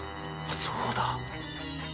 そうだ。